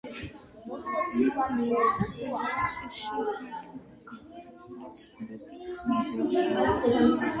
მის შესახებ ბიოგრაფიული ცნობები არ მოგვეპოვება.